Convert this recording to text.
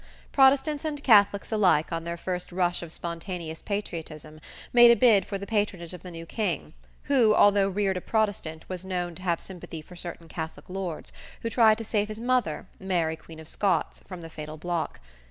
Protestants and Catholics alike, on their first rush of spontaneous patriotism, made a bid for the patronage of the new king, who, although reared a Protestant, was known to have sympathy for certain Catholic lords, who tried to save his mother Mary, Queen of Scots, from the fatal block.